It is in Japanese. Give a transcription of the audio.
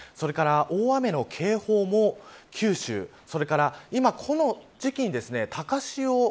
大雨の警報も九州、それから今、この時期に高潮。